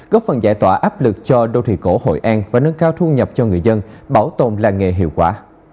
góp phần giải tỏa áp lực cho đô thị cổ hội an và nâng cao thu nhập cho người dân bảo tồn làng nghề hiệu quả